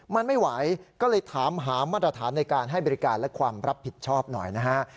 มันไม่ไหวก็เลยถามหามาตรฐานในการให้บริการและความรับผิดชอบหน่อยนะฮะ